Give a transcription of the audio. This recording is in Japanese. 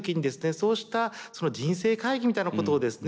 そうした人生会議みたいなことをですね